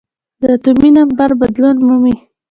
د اتومي نمبر بدلون مومي .